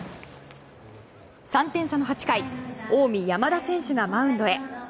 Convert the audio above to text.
３点差の８回近江、山田選手がマウンドへ。